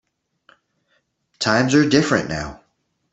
Times are different now.